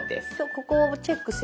ここをチェックすれば。